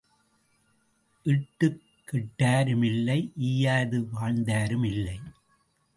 இட்டுக் கெட்டாரும் இல்லை ஈயாது வாழ்ந்தாரும் இல்லை.